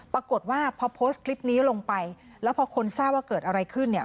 ปรากฏว่าพอโพสต์คลิปนี้ลงไปแล้วพอคนทราบว่าเกิดอะไรขึ้นเนี่ย